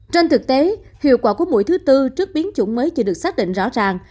trên thực tế hiệu quả của mũi thứ tư trước biến chủng mới chỉ được xác định rõ ràng